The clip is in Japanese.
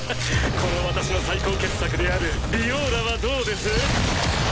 この私の最高傑作であるビオーラはどうです？